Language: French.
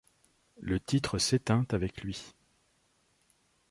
Le titre s'éteint avec lui.